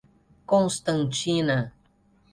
Constantina